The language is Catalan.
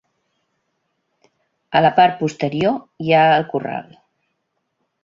A la part posterior hi ha el corral.